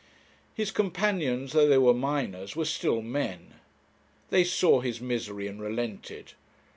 His companions, though they were miners, were still men. They saw his misery, and relented.